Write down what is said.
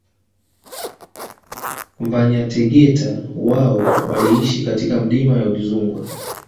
Vanyategeta wao waliishi katika milima ya Udzungwa